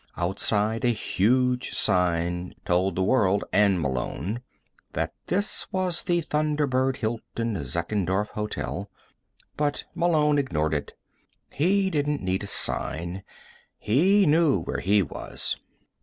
Outside, a huge sign told the world, and Malone, that this was the Thunderbird Hilton Zeckendorf Hotel, but Malone ignored it. He didn't need a sign; he knew where he was.